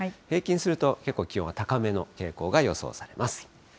平均すると、結構気温は高めの傾向が予想されます。